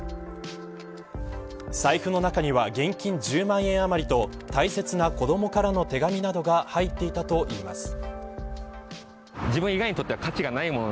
財布の中には現金１０万円余りと大切な子どもからの手紙などが入っていたといいます。